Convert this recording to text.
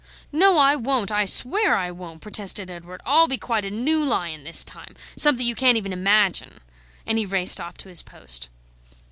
"No, I won't; I swear I won't," protested Edward. "I'll be quite a new lion this time, something you can't even imagine." And he raced off to his post.